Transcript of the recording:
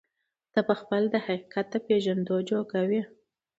نه په خپله د حقيقت د پېژندو جوگه وي،